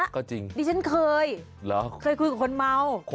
ก็จริงดิฉันเคยคุยกับคนเมา